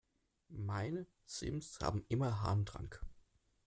Meine Sims haben immer Harndrang.